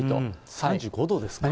３５度ですか。